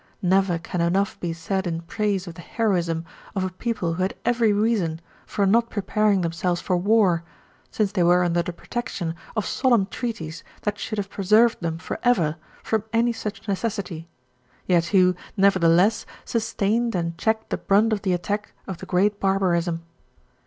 Never can enough be said in praise of the heroism of a people who had every reason for not preparing themselves for war, since they were under the protection of solemn treaties that should have preserved them forever from any such necessity, yet who, nevertheless, sustained and checked the brunt of the attack of the great barbarism.